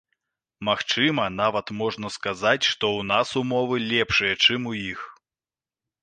Магчыма, нават можна сказаць, што ў нас умовы лепшыя, чым у іх.